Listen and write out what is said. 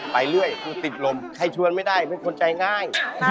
ไปเรื่อยติดลมใครชวนไม่ได้ไม่ควรใจง่าย